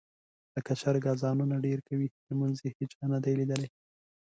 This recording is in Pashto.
لکه چرګ اذانونه ډېر کوي، لمونځ یې هېچا نه دي لیدلی.